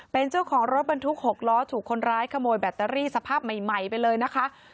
เป็นเจ้าของรถบรรทุก๖ล้อถูกคนร้ายขโมยแบตเตอรี่สภาพใหม่ไปเลยนะคะ